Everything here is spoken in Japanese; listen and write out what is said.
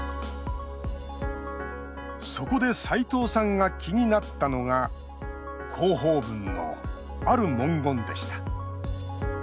そこで斎藤さんが気になったのが広報文の、ある文言でした。